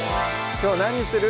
きょう何にする？